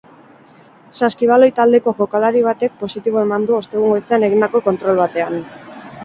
Saskibaloi taldeko jokalari batek positibo eman du ostegun goizean egindako kontrol batean.